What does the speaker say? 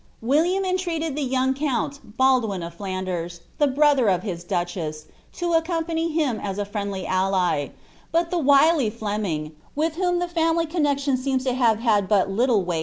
"' William entreated the young count Baldwin of Flanders, the brother of his duchess, to accompany him as a friendly ally; but the wily Fleming, with whom the fiunily connexion seems to have had but little ^ Wace'9 Chronicle of Normandy.